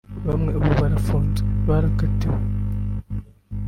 bamwe ubu barafunze barakatiwe